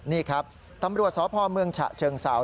นี่ครับตำรวจสพเมืองฉะเชิงเซา